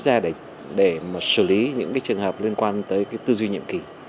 cách ra để xử lý những trường hợp liên quan tới tư duy nhiệm kỳ